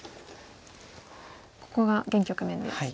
ここが現局面です。